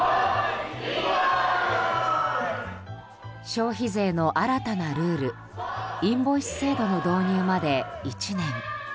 消費税の新たなルールインボイス制度の導入まで１年。